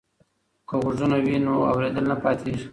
که غوږونه وي نو اوریدل نه پاتیږي.